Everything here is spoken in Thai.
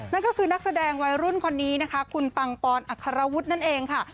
นั่นก็คือนักแสดงวัยรุ่นคนนี้นะคะคุณปังปอนอัครวุฒินั่นเองค่ะ